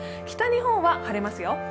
北日本は晴れますよ。